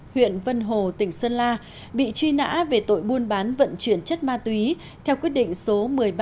huyện vân hồ tỉnh sơn la bị truy nã về tội buôn bán vận chuyển chất ma túy theo quyết định số một mươi ba